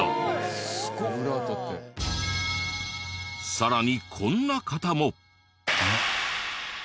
さらにこんな方も。